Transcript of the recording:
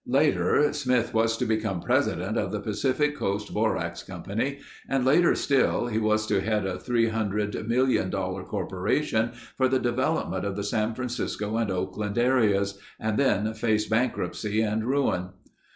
Later Smith was to become president of the Pacific Coast Borax Company and later still, he was to head a three hundred million dollar corporation for the development of the San Francisco and Oakland areas and then face bankruptcy and ruin.